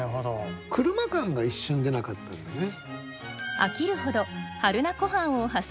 車感が一瞬出なかったんでね。